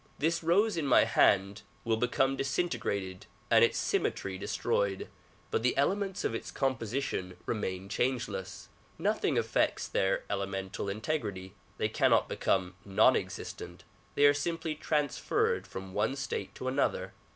This rose in my hand will become disintegrated and its .symmetry destroyed, but the elements of its composition remain changeless; nothing affects their elemental integrity. They cannot become non existent ; they are simply transferred from one state to another.